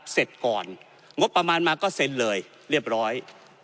เสร็จก่อนงบประมาณมาก็เซ็นเลยเรียบร้อย